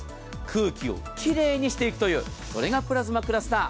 空気を奇麗にしていくというこれがプラズマクラスター。